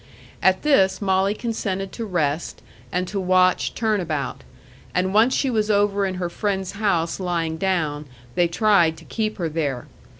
At this Molly consented to rest and to watch, turn about; and once she was over in her friend's house lying down, they tried to keep her there.